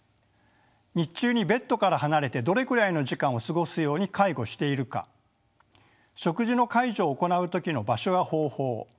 日中にベッドから離れてどれくらいの時間を過ごすように介護しているか食事の介助を行う時の場所や方法